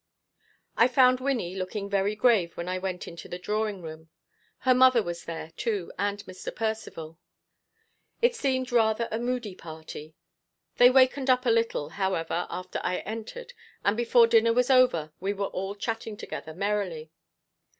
I found Wynnie looking very grave when I went into the drawing room. Her mother was there, too, and Mr. Percivale. It seemed rather a moody party. They wakened up a little, however, after I entered, and before dinner was over we were all chatting together merrily.